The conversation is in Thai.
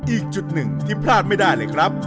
อีกจุดหนึ่งที่พลาดไม่ได้เลยครับ